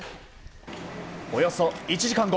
およそ１時間後。